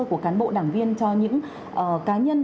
của cán bộ đảng viên cho những cá nhân